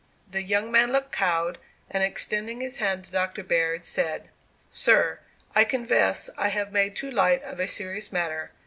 The young man looked cowed, and extending his hand to Doctor Baird, said: "Sir, I confess I have made too light of a serious matter.